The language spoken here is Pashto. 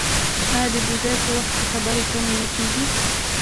آیا د ډوډۍ په وخت کې خبرې کمې نه کیږي؟